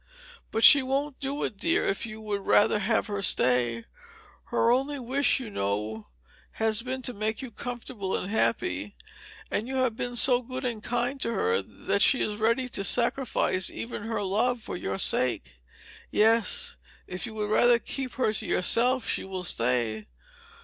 But she won't do it, dear, if you would rather have her stay. Her only wish, you know, has been to make you comfortable and happy; and you have been so good and so kind to her that she is ready to sacrifice even her love for your sake. Yes, if you would rather keep her to yourself she will stay.